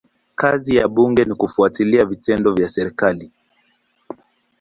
Kazi ya bunge ni kufuatilia vitendo vya serikali.